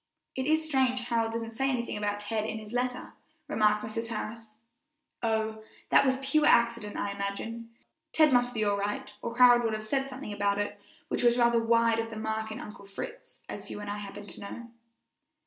"It is strange Harold didn't say anything about Ted in his letter," remarked Mrs. Harris. "Oh, that was pure accident, I imagine! Ted must be all right, or Harold would have said something about it which was rather wide of the mark in 'Uncle Fritz,' as you and I happen to know."